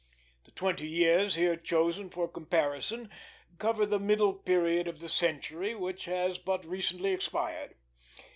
The twenty years here chosen for comparison cover the middle period of the century which has but recently expired.